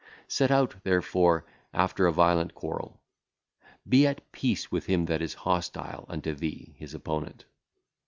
Set out, therefore, after a violent quarrel; be at peace with him that is hostile unto [thee] his opponent.